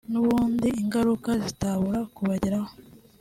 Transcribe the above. n’ubundi ingaruka zitabura kubageraho